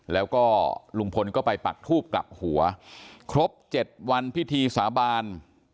แล้วก็ลุงพลก็ไปปักทูบกลับหัวครบ๗วันพิธีสาบาน